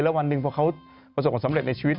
แล้ววันหนึ่งพอเขาประสบความสำเร็จในชีวิต